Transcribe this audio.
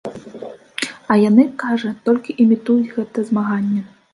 А яны, кажа, толькі імітуюць гэта змаганне.